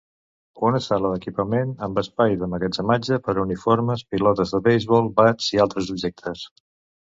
Una sala d'equipament amb espai d'emmagatzematge per a uniformes, pilotes de beisbol, bats i altres objectes.